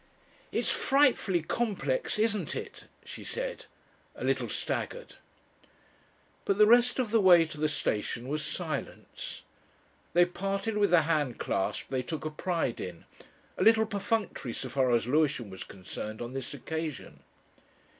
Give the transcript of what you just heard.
"It's frightfully complex, isn't it?" she said a little staggered. But the rest of the way to the station was silence. They parted with a hand clasp they took a pride in a little perfunctory so far as Lewisham was concerned on this occasion.